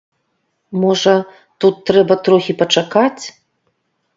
Можа, тут трэба трохі пачакаць.